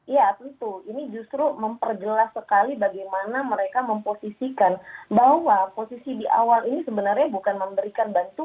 iya tentu ini justru memperjelas sekali bagaimana mereka memposisikan bahwa posisi di awal ini sebenarnya bukan memberikan bantuan